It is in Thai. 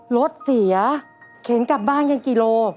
รถเสียเข็นกลับบ้านกันกี่โล